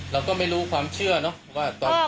เราก็ไม่รู้ความเชื่อเนาะว่าตอนที่ทำ